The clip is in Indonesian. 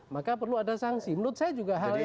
maka perlu ada sanksi menurut saya juga hal yang